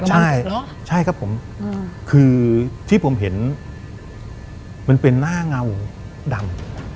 ใช่ใช่ครับผมคือที่ผมเห็นมันเป็นหน้าเงาดำ